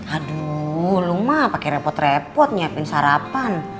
aduh lu mah pake repot repot nyiapin sarapan